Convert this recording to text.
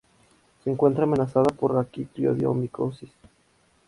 Se encuentra amenazada por la quitridiomicosis.